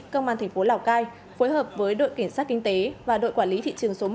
công an tp lào cai phối hợp với đội kiểm tra kinh tế và đội quản lý thị trường số một